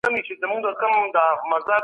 باید د پوهانو قدر وکړو.